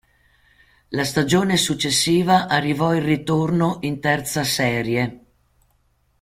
La stagione successiva arrivò il ritorno in terza serie.